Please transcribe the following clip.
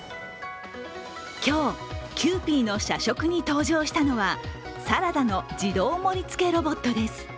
今日、キユーピーの社食に登場したのはサラダの自動盛りつけロボットです。